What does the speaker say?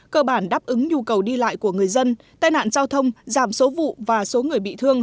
cơ bản đáp ứng nhu cầu đi lại của người dân tai nạn giao thông giảm số vụ và số người bị thương